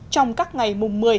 trong các ngày mùng một mươi